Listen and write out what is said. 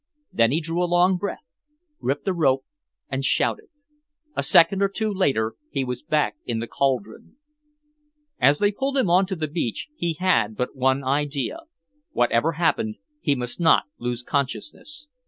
Then he drew a long breath, gripped the rope and shouted. A second or two later he was back in the cauldron. As they pulled him on to the beach, he had but one idea. Whatever happened, he must not lose consciousness.